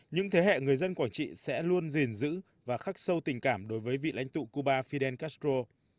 những thế hệ người dân quảng trị sẽ luôn gìn giữ và khắc sâu tình cảm đối với vị lãnh tụ cuba fidel castro